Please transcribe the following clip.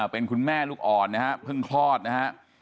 เป็นคุณแม่ลูกอ่อนนะฮะเพิ่งคลอดนะฮะ